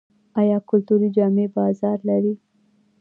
آیا کلتوري جامې بازار لري؟